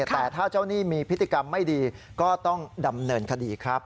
แต่ถ้าเจ้าหนี้มีพฤติกรรมไม่ดีก็ต้องดำเนินคดีครับ